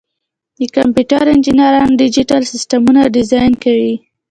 د کمپیوټر انجینران ډیجیټل سیسټمونه ډیزاین کوي.